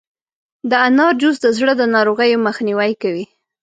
د انار جوس د زړه د ناروغیو مخنیوی کوي.